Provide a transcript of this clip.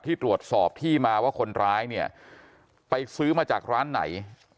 ที่ตรวจสอบที่มาว่าคนร้ายเนี่ยไปซื้อมาจากร้านไหน